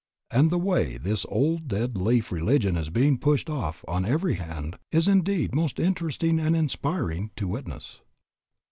And the way this old dead leaf religion is being pushed off on every hand is indeed most interesting and inspiring to witness.